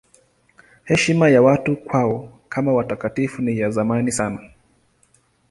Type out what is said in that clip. Heshima ya watu kwao kama watakatifu ni ya zamani sana.